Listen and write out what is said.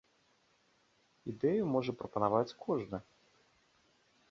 Ідэю можа прапанаваць кожны!